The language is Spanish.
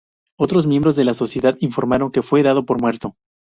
Otros miembros de la Sociedad informaron que fue dado por muerto.